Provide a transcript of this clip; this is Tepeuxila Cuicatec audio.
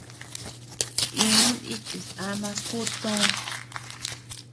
Dinu nichis ama kú töo.